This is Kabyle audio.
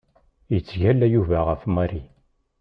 Yettgalla Yuba ɣef Mary.